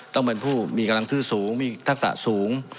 ต้องเป็นผู้มีกำลังซื้อสูงมีทักษะสูง